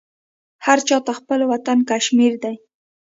هر چا ته خپل وطن کشمیر دی